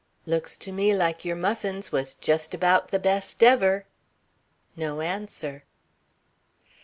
"Looks to me like your muffins was just about the best ever." No answer.